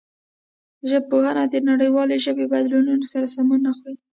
پښتو ژبه د نړیوالو ژبني بدلونونو سره سمون نه خوري.